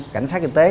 cảnh sát kinh tế